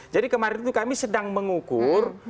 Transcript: jadi kemarin itu kami sedang mengukur